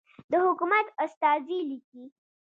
د حکومت استازی لیکي.